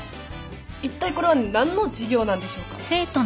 いったいこれは何の授業なんでしょうか？